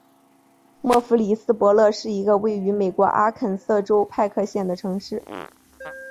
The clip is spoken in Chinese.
默弗里斯伯勒是一个位于美国阿肯色州派克县的城市。